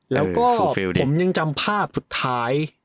แล้วก็ผมยังจำภาพสุดท้าย